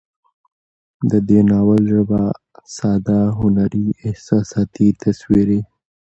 د دې ناول ژبه ساده، هنري، احساساتي، تصويري